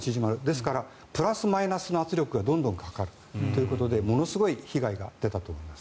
ですからプラスマイナスの圧力がどんどんかかるということでものすごい被害が出たと思います。